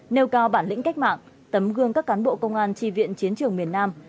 nêu cao bản lĩnh cách mạng tấm gương các cán bộ công an tri viện chiến trường miền nam